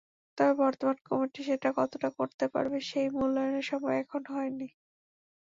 তবে বর্তমান কমিটি সেটা কতটা করতে পারবে সেই মূল্যায়নের সময় এখনো হয়নি।